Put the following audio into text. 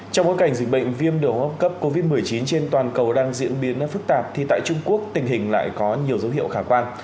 trong bối cảnh dịch bệnh viêm đường hô hấp cấp covid một mươi chín trên toàn cầu đang diễn biến phức tạp thì tại trung quốc tình hình lại có nhiều dấu hiệu khả quan